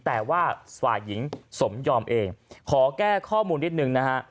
แต่ว่าฝ่ายหญิงสมยอมเองขอแก้ข้อมูลนิดนึงนะฮะ